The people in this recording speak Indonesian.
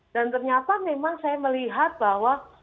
dan ternyata memang saya melihat bahwa